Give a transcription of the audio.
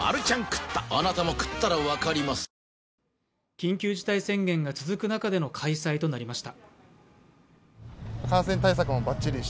緊急事態宣言が続く中での開催となりました。